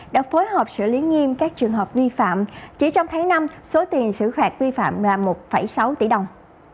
đã phối hợp xử lý nghiêm các trường hợp vi phạm chỉ trong tháng năm số tiền xử phạt vi phạm là một sáu tỷ đồng